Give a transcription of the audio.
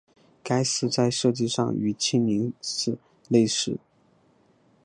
该寺在设计上与庆宁寺类似。